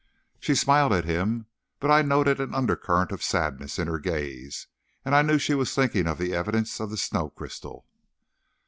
She smiled at him, but I noted an undercurrent of sadness in her gaze, and I knew she was thinking of the evidence of the snow crystal.